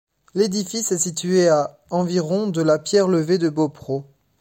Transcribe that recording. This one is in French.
L'édifice est situé à environ de la Pierre Levée de Beaupreau.